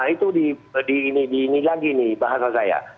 itu di ini lagi nih bahasa saya